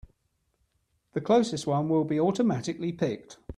The closest one will be automatically picked.